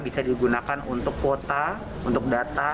bisa digunakan untuk kuota untuk data